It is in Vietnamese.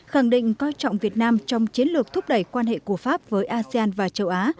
khẳng định coi trọng việt nam trong chiến lược thúc đẩy quan hệ của pháp với asean và châu á